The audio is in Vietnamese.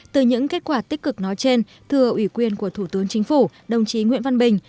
từ những kết quả tích cực nói trên thưa ủy quyền của thủ tướng chính phủ đồng chí nguyễn văn bình